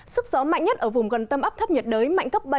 sức gió mạnh nhất ở vùng gần tâm áp thấp nhiệt đới mạnh cấp bảy